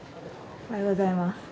おはようございます。